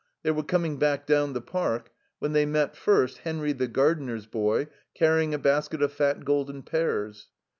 They were coming back down the Park when they met, first, Henry, the gardener's boy, carrying a basket of fat, golden pears.